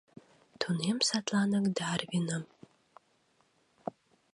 Тунем садланак Дарвиным